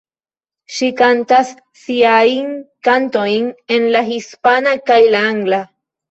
Ŝi kantas siajn kantojn en la hispana kaj la angla.